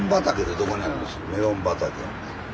メロン畑。